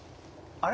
あれ？